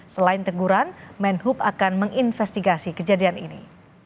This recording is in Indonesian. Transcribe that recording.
selain teguran menhub akan menginvestigasi kejadian ini